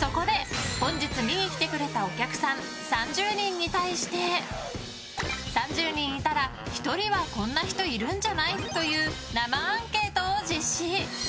そこで、本日見に来てくれたお客さん３０人に対して３０人いたら１人はこんな人いるんじゃない？という生アンケートを実施。